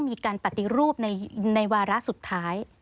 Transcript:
มีการปฏิรูปในวาระสุดท้าย